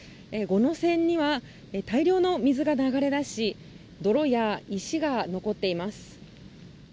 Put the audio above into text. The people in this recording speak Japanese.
五能線には、大量の水が流れ出し泥や石が残っています。